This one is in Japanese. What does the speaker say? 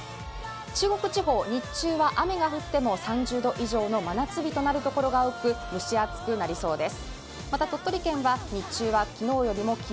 中国地方、雨が降っても日中は３０度以上の真夏日となる所が多く蒸し暑くなりそうです。